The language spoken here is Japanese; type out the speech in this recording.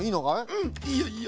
うんいいよいいよ。